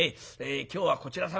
今日はこちら様